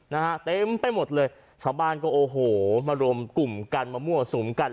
นะฮะเต็มไปหมดเลยชาวบ้านก็โอ้โหมารวมกลุ่มกันมามั่วสุมกัน